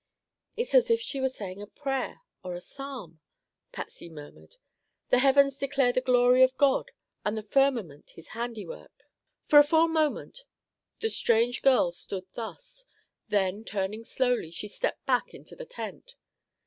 "It's as if she were saying a prayer or a Psalm," Patsy murmured. "'The heavens declare the glory of God and the firmament his handiwork.'" For a full moment the strange girl stood thus; then, turning slowly, she stepped back into the tent.